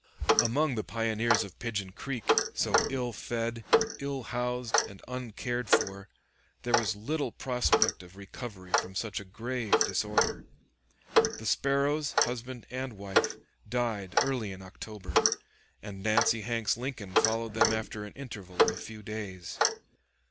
Among the Pioneers of Pigeon Creek, so ill fed, ill housed, and uncared for, there was little prospect of recovery from such a grave disorder. The Sparrows, husband and wife, died early in October, and Nancy Hanks Lincoln followed them after an interval of a few days.